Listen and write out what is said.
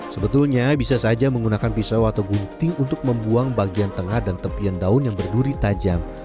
sebetulnya bisa saja menggunakan pisau atau gunting untuk membuang bagian tengah dan tepian daun yang berduri tajam